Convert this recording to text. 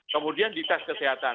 kemudian dites kesehatan